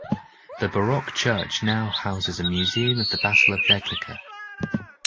The Baroque church now houses a museum of the Battle of Legnica.